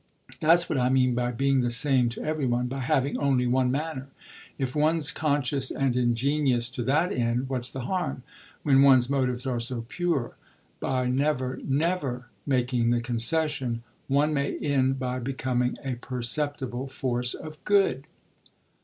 That's what I mean by being the same to every one, by having only one manner. If one's conscious and ingenious to that end what's the harm when one's motives are so pure? By never, never making the concession, one may end by becoming a perceptible force for good."